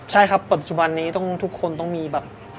ใช่ครับปัจจุบันนี้ทุกคนต้องมีแบบ